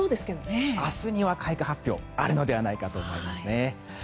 明日には開花発表があるのではないかと思いますね。